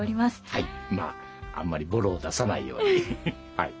はいまああんまりボロを出さないようにはい。